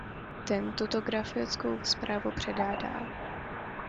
Ten tuto grafickou zprávu předá dál.